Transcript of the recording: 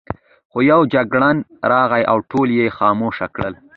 خو یو جګړن راغی او ټول یې خاموشه کړل.